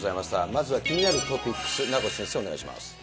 まずは気になるトピックス、名越先生、お願いします。